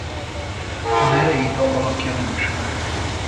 A Nereida alakja nem ismert.